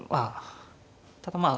ただまあ